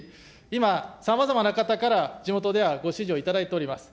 今、さまざまな方から地元ではご支持を頂いております。